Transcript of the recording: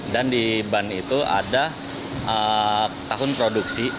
dan di ban itu ada tahun produksi